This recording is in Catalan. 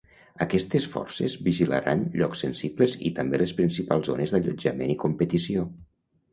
Aquestes forces vigilaran llocs sensibles i també les principals zones d’allotjament i competició.